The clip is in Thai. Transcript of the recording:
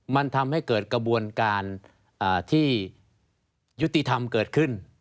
มันทำให้เกิดกระบวนการที่ยุติธรรมเกิดขึ้น